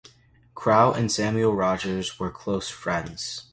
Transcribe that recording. Crowe and Samuel Rogers were close friends.